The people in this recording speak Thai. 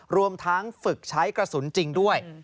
รวมทั้งฝึกใช้กระสุนจริงด้วย